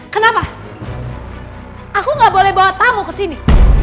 kenapa aku ga boleh bawa tamu kesini